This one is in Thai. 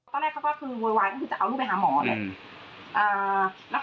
ตอนแรกเขาก็คือววยวายว่าจะเอาลูกไปหาหมอเลย